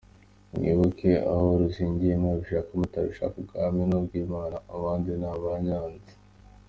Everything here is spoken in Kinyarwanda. Mwibuke aho ruzingiye, mwabishaka mutabishaka, ubwami ni ubw’Imana abandi ni abanyazi.